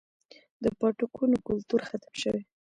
د پاټکونو کلتور ختم شوی